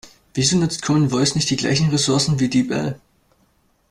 Wieso nutzt Common Voice nicht die gleichen Resourcen wie Deep-L?